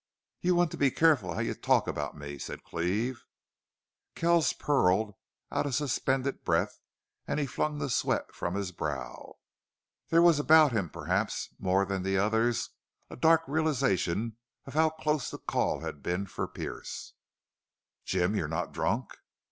"You want to be careful how you talk about me," said Cleve. Kells purled out a suspended breath and he flung the sweat from his brow. There was about him, perhaps more than the others, a dark realization of how close the call had been for Pearce. "Jim, you're not drunk?"